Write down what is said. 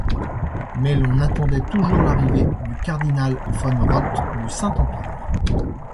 Mais l'on attendait toujours l'arrivée du cardinal von Rodt, du Saint-Empire.